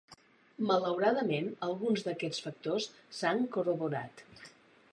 Malauradament, alguns d'aquests factors s'han corroborat.